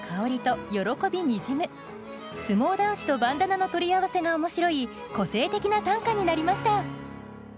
「相撲男子」と「バンダナ」の取り合わせが面白い個性的な短歌になりました。